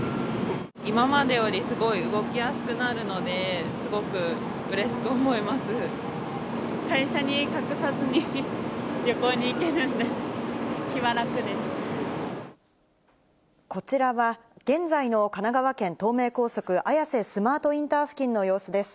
今までよりすごい動きやすくなるので、会社に隠さずに旅行に行けるこちらは、現在の神奈川県東名高速綾瀬スマートインター付近の様子です。